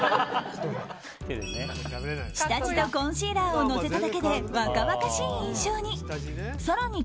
下地とコンシーラーを乗せただけで若々しい印象に。